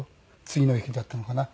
次の日だったのかな？